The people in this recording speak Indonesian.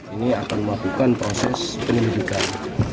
ini akan melakukan proses penyelidikan